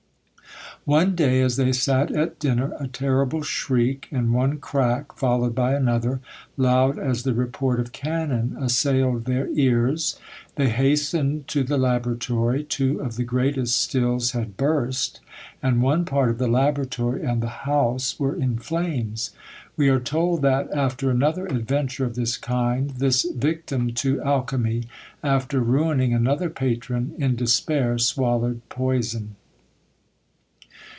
One day, as they sat at dinner, a terrible shriek, and one crack followed by another, loud as the report of cannon, assailed their ears. They hastened to the laboratory; two of the greatest stills had burst, and one part of the laboratory and the house were in flames. We are told that, after another adventure of this kind, this victim to alchymy, after ruining another patron, in despair swallowed poison.